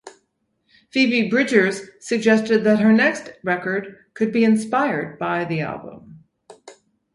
Phoebe Bridgers suggested that her next record could be inspired by the album.